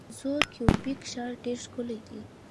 زوړ کیوبیک ښار ډیر ښکلی دی.